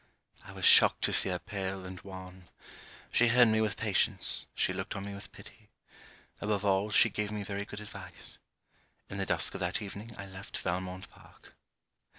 I was shocked to see her pale and wan. She heard me with patience, she looked on me with pity. Above all, she gave me very good advice. In the dusk of that evening, I left Valmont park.